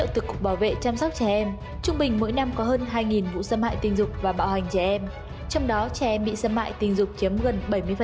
trung bình mỗi năm có hơn hai vụ xâm hại tình dục và bạo hành trẻ em trong đó trẻ em bị xâm hại tình dục chiếm gần bảy mươi